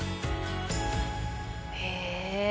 へえ。